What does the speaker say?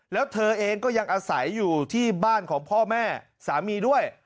แล้วเธอเองก็ยังอาศัยอยู่ที่บ้านของพ่อแม่สามีด้วย